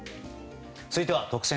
続いては特選！！